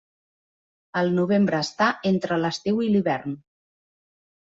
El novembre està estre l'estiu i l'hivern.